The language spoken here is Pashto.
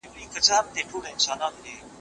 په څيرلو په وژلو كي بېباكه